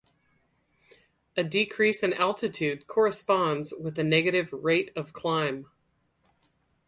A decrease in altitude corresponds with a negative rate of climb.